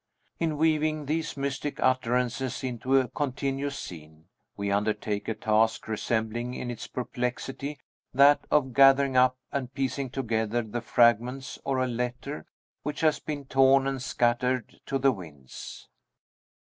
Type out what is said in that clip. In weaving these mystic utterances into a continuous scene, we undertake a task resembling in its perplexity that of gathering up and piecing together the fragments ora letter which has been torn and scattered to the winds.